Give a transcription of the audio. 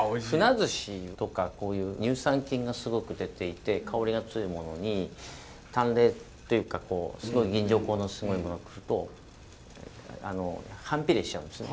鮒寿司とかこういう乳酸菌がすごく出ていて香りが強いものに淡麗というかすごい吟醸香のすごいものとあの反比例しちゃうんですね。